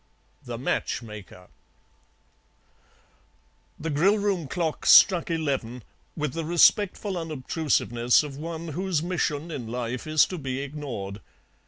THE MATCH MAKER The grill room clock struck eleven with the respectful unobtrusiveness of one whose mission in life is to be ignored.